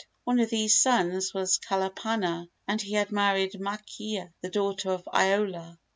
One of these sons was Kalapana, and he had married Makea, the daughter of Iola.